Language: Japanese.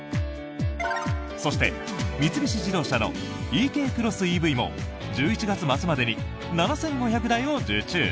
そして、三菱自動車のｅｋクロスＥＶも１１月末までに７５００台を受注。